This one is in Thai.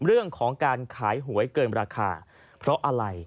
เรื่องของการขายหวยเกินราคาเพราะอะไร